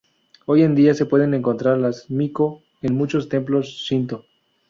Hoy en día se pueden encontrar a las miko en muchos templos Shinto.